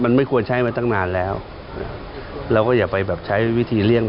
มันไม่ควรใช้มาตั้งนานแล้วเราก็อย่าไปแบบใช้วิธีเลี่ยง